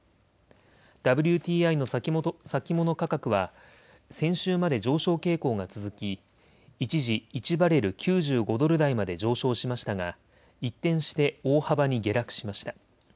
ＷＴＩの先物価格は先週まで上昇傾向が続き一時１バレル９５ドル台まで上昇しましたが一転して大幅に下落しました。